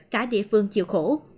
cả địa phương chịu khổ